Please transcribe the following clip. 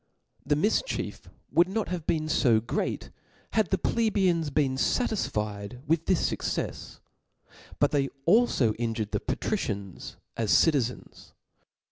The mifchief would not have been fo great, had (he plebeians been fatisfied with this fuccefs ; but |hey alfo injured the patricians as citizens.